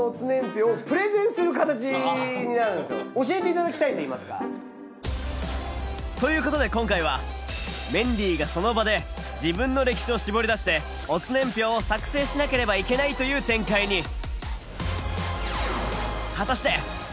教えていただきたいといいますか。ということで今回はメンディーがその場で自分の歴史を絞り出して乙年表を作成しなければいけないという展開に！